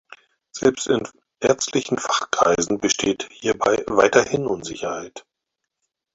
Selbst in ärztlichen Fachkreisen besteht hierbei weiterhin Unsicherheit.